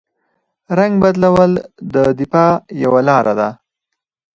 رنګ بدلول د دفاع یوه لاره ده